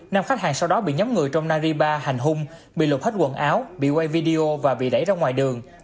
năm khách hàng sau đó bị nhóm người trong naripa hành hung bị lụt hết quần áo bị quay video và bị đẩy ra ngoài đường